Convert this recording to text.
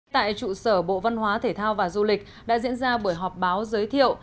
tại trụ sở bộ văn hóa thể thao và du lịch đã diễn ra buổi họp báo giới thiệu